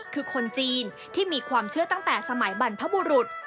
คือคนจีนที่มีความเชื่อตั้งแต่สมัยบรรพบุรุษ